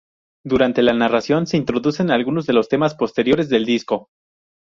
Durante la narración se introducen algunos de los temas posteriores del disco.